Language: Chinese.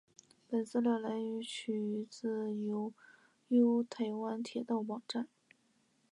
本资料来源取自悠游台湾铁道网站。